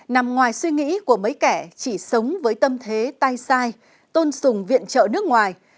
nằm ngoài suy nghĩ của mấy kẻ chỉ sống với tâm thế tai sai tôn sùng viện trợ nước ngoài